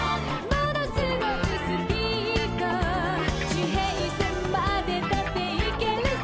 ものすごいスピード」「地平線までだっていけるさ」